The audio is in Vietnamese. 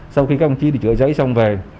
sau khi các bác sĩ đi chữa cháy xong về